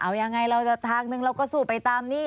เอายังไงเราจะทางหนึ่งเราก็สู้ไปตามหนี้